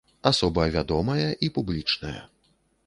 Асоба вядомая і публічная.